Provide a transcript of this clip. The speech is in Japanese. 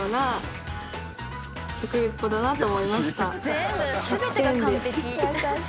全部全てが完璧。